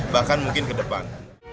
bahkan mungkin ke depan